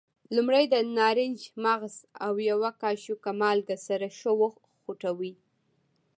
لومړی د نارنج مغز او یوه کاشوغه مالګه سره ښه وخوټوئ.